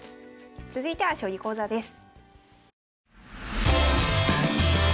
続いては将棋講座です。